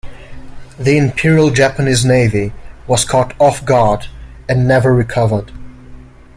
The Imperial Japanese Navy was caught off guard and never recovered.